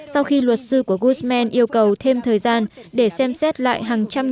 sau khi luật sư của guzman yêu cầu thêm thời gian để xem xét lại hàng trăm thẩm đoàn